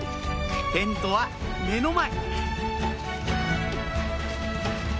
テントは目の前！